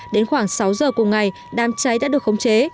đến khoảng sáu giờ cùng ngày đám cháy đã được khống chế